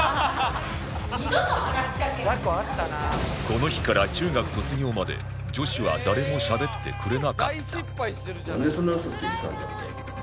この日から中学卒業まで女子は誰もしゃべってくれなかった